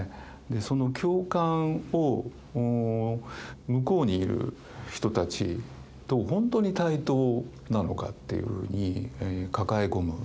でその共感を向こうにいる人たちと本当に対等なのかっていうふうに抱え込む。